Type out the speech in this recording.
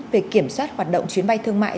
về kiểm soát hoạt động chuyến bay thương mại